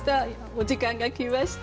お時間が来ました。